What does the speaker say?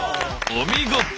お見事！